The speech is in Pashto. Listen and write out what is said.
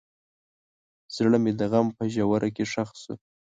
زړه مې د غم په ژوره کې ښخ شو.